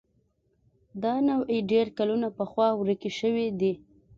دا نوعې ډېر کلونه پخوا ورکې شوې دي.